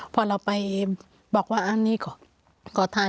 พอเราไปบอกว่าอันนี้ขอทาน